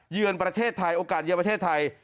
ประเทศไทยโอกาสเยือนประเทศไทย